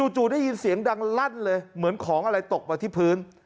จู่ได้ยินเสียงดังลั่นเลยเหมือนของอะไรตกมาที่พื้น